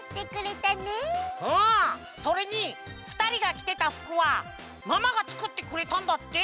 それにふたりがきてたふくはママがつくってくれたんだって！